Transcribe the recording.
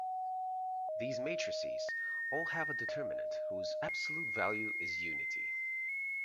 These matrices all have a determinant whose absolute value is unity.